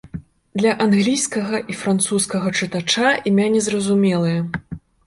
Для англійскага і французскага чытача імя незразумелае.